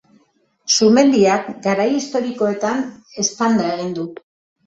Sumendiak, garai historikoetan eztanda egin du.